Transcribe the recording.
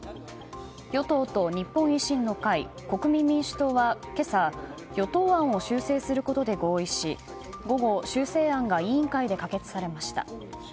与党と日本維新の会国民民主党は今朝与党案を修正することで合意し午後、修正案が委員会で可決されました。